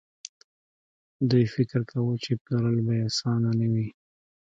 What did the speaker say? دوی فکر کاوه چې پلورل به يې اسانه نه وي.